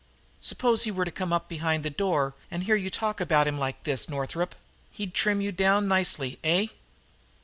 "Suppose he were to come up behind the door and hear you talk about him like this, Northup? He's trim you down nicely, eh?"